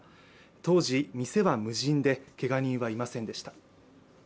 当時店は無人で、けが人はいませんでした。